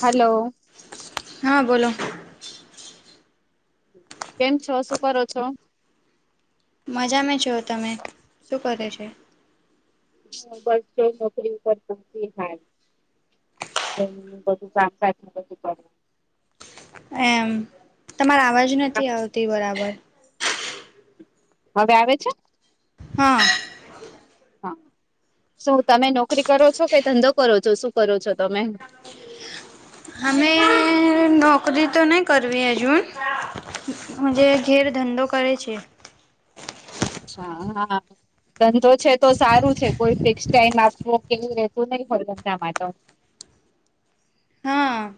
Hello. હા બોલો. કેમ છો શું કરો છો? મજામાં છો, તમે શું કરો છે? હ બસ જો નોકરી ઉપર પહચી હાર. બધું શામતા શ [unintelligible] એમ, તમાર અવાજ નથી આવતી બરાબર. હવે આવે છે? હા. હા. શું તમે નોકરી કરો છો કે ધંધો કરો છો શું કરો છો તમે? અમે નોકરી તો નહી કરવી હજુ. જ ઘેર ધંધો કરે છે. હ હા હા. ધંધો છે તો સારું છે કોઈ ફિક્સ ટાઈમ આપવો કે રેતું નહી હોડ ધંધા માટે. હા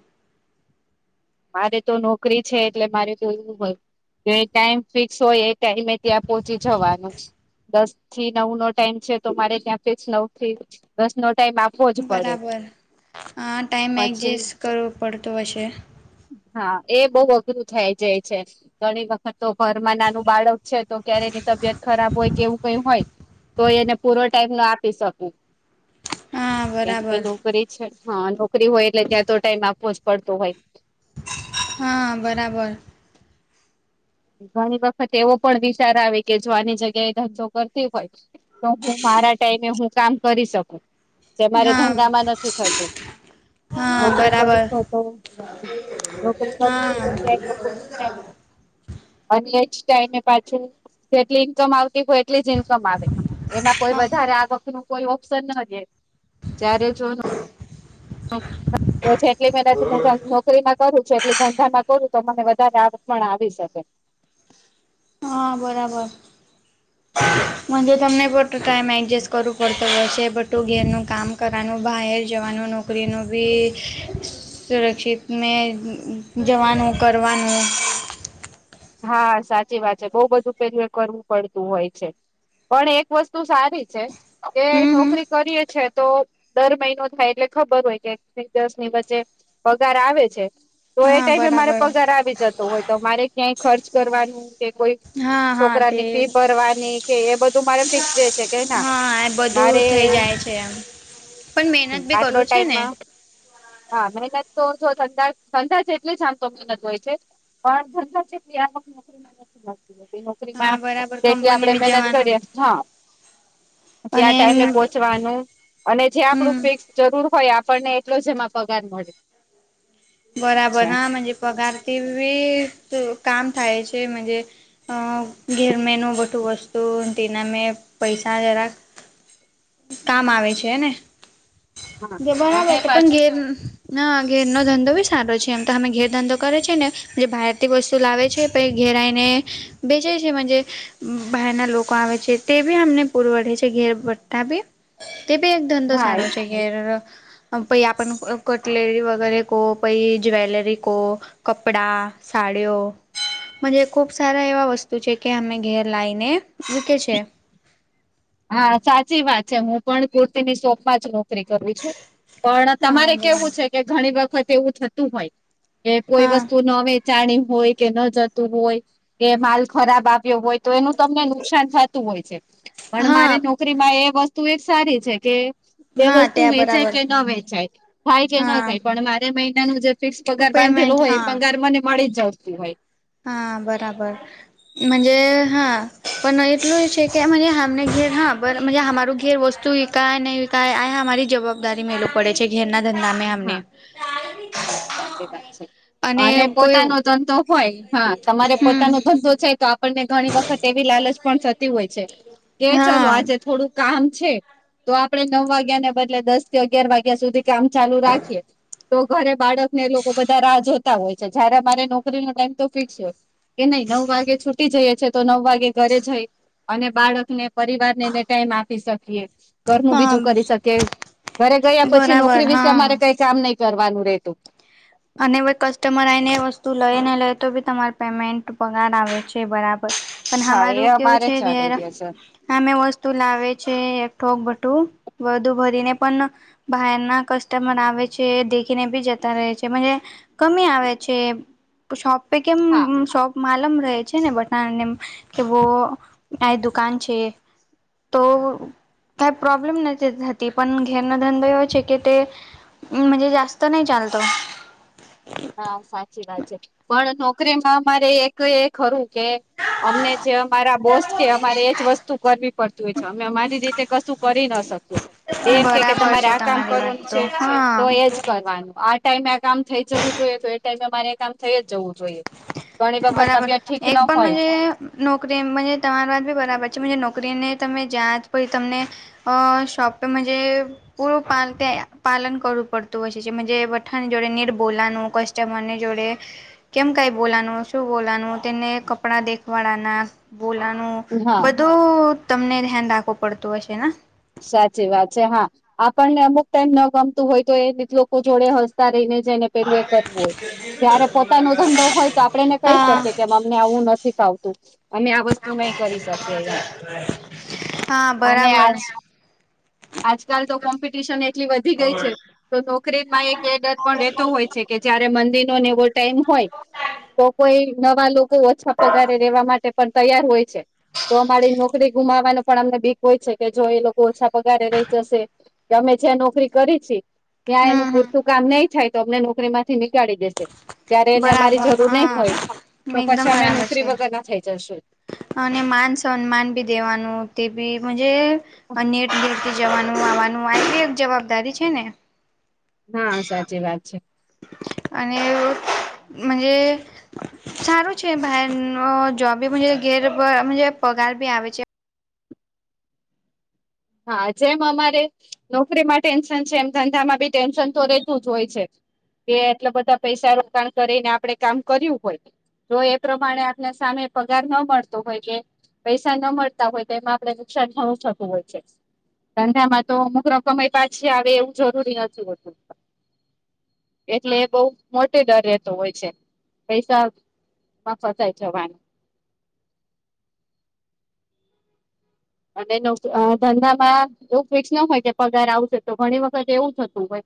મારે તો નોકરી છે એટલે મારે તો એવું હોય. જે ટાઈમ ફિક્સ હોય એ ટાઈમે ત્યાં પોહોંચી જવાનું. દસ થી નવ નો ટાઈમ છે તો મારે ત્યાંથી નવ થી દસ નો ટાઈમ આપવો જ પડે બરાબર, હ ટાઈમ પછી એડજસ્ટ કરવું પડતું હશે. હા એ બહ અઘરું થાય જાય છે. ઘણી વખત તો ઘરમાં નાનું બાળક છે તો ક્યારેની તબિયત ખરાબ હોય કેવું કઈ હોય. તો એને પૂરો ટાઈમ નો આપી શકું. હા કેમ કે બરાબર નોકરી છે હા નોકરી હોય એટલે ત્યાં તો ટાઈમ આપવો જ પડતો હોય. હા બરાબર. ઘણી વખત એવો પણ વિચાર આવે કે જો આની જગ્યા એ ધંધો કરતી હોય. તો હું મારા ટાઈમે હું કામ કરી શકું, જે મારે હા ધંધામાં નથી થતું. હા નોકરી કરું બરાબર હોત નોકરી હા કરું કે અને એ જ ટાઈમે પાછ, જેટલી ઈન્કમ આવતી હોય. એટલી જ ઇન્કમ આવે, એમાં કોઈ હા વધારે આ વખત ન કોઈ ઓપ્શન ન દે, જ્યારે જો તોટલી મેા મજા છોકરીમાં કરું છું એટલે ધંધામાં કરું તો મને વધારે આવક પણ આવી શકે. હા બરાબર. હ [inaudible] મન તો તમને ખોટો ટાઈમ એડજસ્ટ કરવો પડતો હોય છે બટું ઘેરનું કામ કરવાનું બહાર જવાનું નો એનું બી સુરક્ષિત મે જવાનુ કરવાનુ હા સાચી વાત છે બોવ બધું પેલું એ કરવું પડતું હોય છે. પણ એક વસ્તુ સારી છે કે હમ હમ નોકરી કરીએ છે તો દર મહિનો થાય એટલે ખબર હોય કે એક દસની વચ્ચે પગાર આવે છે. તો એ હા ટાઈમે મારે બરાબર પગાર આવી જતો હોય તો મારે કઈ ખર્ચ કરવાનું કે કોઈ હા હા તે છોકરાની ફી ભરવાની કે એ બધું મારે ફિક્સ રેય છે કે ના હા એ મારે બધું થઈ જાય છે એમ પણ મહેનત બી આટલો કરું છે ને ટાઈમમાં હા મહેનત તો જો છે એટલી જ આમ તો મહેનત હોય છે. પણ ધંધા જેટલી આવક નોકરીમાં નથી લાગતી. હા નોકરીમાં બરાબર તેથી આપણે કંપનીમાં મહેનત જવાનું કરીએ હા જે આ અને ટાઈમે પોહચવાનું અને જે આપડું હમ ફિક્સ જરૂર હોય આપણને એટલો જ એમાં પગાર મળે. છે બરાબર હા મુજે પગારથી બી કામ થાય છે મુજે અ ઘેર મેનું બટું વસ્તુ તેના મે પૈસા જરાક કામ આવે છે ને. જે હા અને બરાબર પણ પાછું ઘેર ના ઘેર નો ધંધો બી સારો છે એમ તો અમે ઘેર ધંધો કરે છે ને. જે બહારથી વસ્તુ લાવે છે પછી ઘેર આયને બેચે છે મુજે બહારના લોકો આવે છે તે બી અમને પૂરવડે છે ઘેર ભઠા બી તે બી એક ધંધો હા સારો છે કે પહિ આપનું કટલેરી વગેરે કો પહી જ્વેલરી કો કપડાં સાડિઓ મુજે ખુબ સારા એવા વસ્તુ છે કે અમે ઘેર લાયને મૂકે છે. હા સાચી વાત છે. હું પણ કુર્તીની શોપમાં જ નોકરી કરું છું. પણ હા તમારે બરાબર કેવું છે કે ઘણી વખત એવું થતું હોય કે કોઈ હા વસ્તુ નવે જાણી હોય કે ન જતું હોય કે માલ ખરાબ આવ્યો હોય તો એનું તમને નુકસાન થાતું હોય છે. પણ મારી હા નોકરી માં એ વસ્તુ એક સારી છે કે એ હા વસ્તુ ત્યાં વેચાય બરાબર કે ન વેચાય થાય કે ન હા થાય પણ મારે મહિનાનું જે ફિક્સ પગાર બાંધેલો હોય એ પગાર મને મળી જ જતું હોય. હા બરાબર. મુજે હા પણ એટલું એ છે કે આમને ઘેર હા બ અમારું ઘેર મુજે વસ્તુ કા નહીં કાઈ આય અમારી જવાબદારી મેલવુ પડે છે. ઘેરના ધંધા મે હા અમને હા સાચી વાત છે. અને કોઈ ધંધો હોય હા તમારે હમ પોતાનો ધંધો છે તો આપણને ઘણી વખત એવી લાલચ પણ થતી હોય છે કે ચલો હા આજે થોડુંક કામ છે તો આપડે નવ વાગ્યાને બદલે દસ કે અગિયાર વાગ્યા સુધી કામ ચાલુ રાખીએ તો ઘરે બાળકને એ લોકો બધા રાહ જોતા હોય છે. જયારે અમારે નોકરીનો ટાઈમ તો ફિક્સ હોય. કે નહી નવ વાગે છૂટી જઈએ છે. તો નવ વાગે ઘરે જઈ અને બાળકને પરિવારને એને ટાઈમ આપી શકીએ. ઘરનું હા બીજું કરી શકે ઘરે ગયા પછી બરાબર નોકરી વિશે અમારે હા કઈ કામ નઈ કરવાનું રહેેતું. અને કસ્ટમર આઈને વસ્તુ લઈ ને લઈ તો બી તમારે પેમેન્ટ પગાર આવે છે બરાબર. પણ હા એ અમારું કેવું અમારે છે, ચાલુ ઘેર રહેશે અમે વસ્તુ લાવે છે, એકઠોક ભઠું વધુ ભરીને પણ બહાર ના કસ્ટમર આવે છે, દેખીને બી જતા રહે છે. કમી આવે છે, શોપ પે કેમ હા શોપ માલમ રહે છે, ને બટ કે વો આ દુકાન છે. તો કઈ પ્રોબ્લેમ નથી થતી, પણ ઘેરનો ધંધો એવો છે કે તે હમ, જ જાસ્ત નહી ચાલતો. હા, સાચી વાત છે. પણ નોકરીમાં મારે એક એ ખરું કે અમને જે અમારા બોસ કે, અમારે એજ વસ્તુ કરવી પડતી હોય છે, અમે અમારી રીતે કશું કરી ના શકીએ, એમ કે તમારે છે આ કામ તમારી વાત કરવાનું તો છે હા તો એજ. કરવાનું આ ટાઈમે આ કામ થઈ જવું જોઈએ, તો એ ટાઈમે મામારે કામ થઈ જ જવું જોઈએ. ઘણી વખત બરાબર તબિયત ઠીક એક ન પણ હોય. મજે નોકરી મ તમારી વાત બી બરાબર છે, નોકરીને તમે જ્યાં જ પી તમને અ શોપિગ મા જે પૂરું પા પાલન કરવું પડતું હોય છે, જેમ જે વઠાણ જોડે નીર બોલાવાનું કષ્ટ જમને જોડે કેમ કઈ બોલાનું. શું બોલાવાનું, તેને કપડા દેખવાળના બોલાનું હા બધું. તો તમને ધ્યાન રાખવું પડતું હશે ને. સાચી વાત છે. હા, આપણને અમુક ટાઈમ ન ગમતું હોય, તો એ લોકો જોડે હ. રહીને જને પે એ કરવું હોય, જ્યારે પોતાનો ધંધો હોય, તો આપડે એને કહી હા શકીએ કેમ. ને આવું નથી, ખાવતું જ. અમે આ વસ્તુ નહી કરી શકીએ, હા અને બરાબર આજ આજકાલ તો કોમ્પિટિશન એટલી વધી ગઈ છે. તો નોકરીમાં એક એ ડર પણ રહેતો હોય છે કે, જયારે મંદીનોને એવો ટાઈમ હોય. તો કોઈ નવા લોકો ઓછા પગારે રેવા માટે, પણ તૈયાર હોય છે. તો અમારી નોકરી ગુમાવવાનું, પણ અમને બીક હોય છે કે જો એ લોકો ઓછા પગારે રહી જશે કે, અમે જ્યાં નોકરી કરી છી, ત્યાં એનું હમ હમ પૂરતું કામ નહી થાય. તો અમને નોકરીમાંથી નીકાળી દેશે. જયારે એને અમારી બરાબર જરૂર નહી હા હોય તો, એકદમ પછી અમે બરાબર નોકરી છે. વગર ના થઈ જશું. અને માન સન્માન બી દેવાનું, તે બી નેટ જવાનું-આવવાનું, આ એક જવાબદારી છે ને. હા, સાચી વાત છે. અને જે સારું છે, ભાઈ જોબ ઘેર પગાર ભી આવે છે. હા, જેમ અમારે નોકરીમાં ટેન્શન છે, એમ ધંધામાં બી ટેન્શન તો રહેતું જ હોય છે. એ એટલા બધા પૈસા રોકાણ કરીને આપડે કામ કર્યું હોય. તો એ પ્રમાણે આપને સામે પગાર ના મળતો હોય કે પૈસા ન મળતા હોય, તો એમાં આપડણે નુકસાન ઘણું થતું હોય છે. ધંધામાં તો મુકરામ કમાય પાછી આવે, એવું જરૂરી નથી હોતું. એટલે એ બહુ મોટો ડર રહેતો હોય છે, પૈસા માં ફસાય જવાનું. અને નોક ધંધામાં એવું ફિકસ ન હોય કે, પગાર આવશે તો, ઘણી વખત એવું થતું હોય.